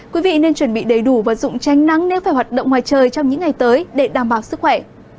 quý vị nên chuẩn bị đầy đủ vật dụng tranh nắng nếu phải hoạt động ngoài trời trong những ngày tới để đảm bảo sức khỏe